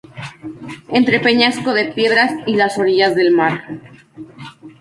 Entre peñasco de piedras y las orillas del mar.